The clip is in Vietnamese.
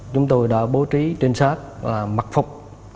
chúng tôi đã bố trí trinh sát và mặt phục